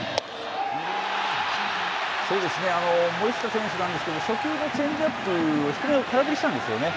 森下選手なんですけど初球のチェンジアップ低めを空振りしたんですよね。